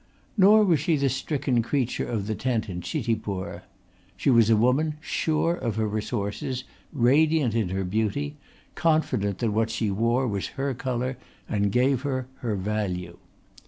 Nor was she the stricken creature of the tent in Chitipur. She was a woman sure of her resources, radiant in her beauty, confident that what she wore was her colour and gave her her value.